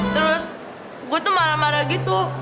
terus gue tuh marah marah gitu